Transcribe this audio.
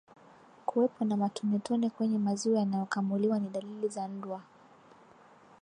Kuwepo na matonematone kwenye maziwa yanayokamuliwa ni dalili za ndwa